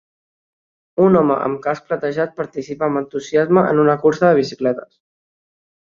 Un home amb casc platejat participa amb entusiasme en una cursa de bicicletes.